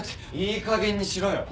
いいかげんにしろよ。